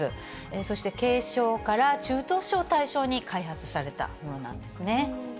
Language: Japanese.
そして軽症から中等症を対象に開発されたものなんですね。